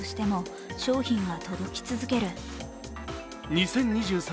２０２３